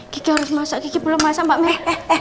gigi harus masak gigi belum masak mbak me